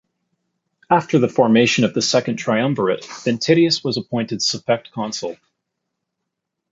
After the formation of the Second Triumvirate, Ventidius was appointed suffect consul.